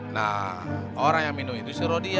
nah orang yang minum itu si rodi ya